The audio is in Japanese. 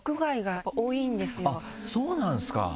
そうなんですか。